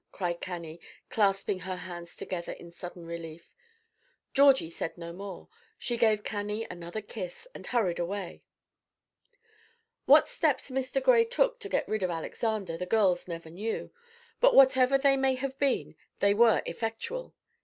cried Cannie, clasping her hands together in sudden relief. Georgie said no more; she gave Cannie another kiss, and hurried away. What steps Mr. Gray took to get rid of Alexander, the girls never knew; but whatever they may have been, they were effectual.